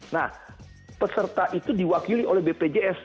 nah peserta itu diwakili oleh bpjs